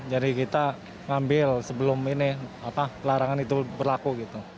kita ngambil sebelum ini larangan itu berlaku gitu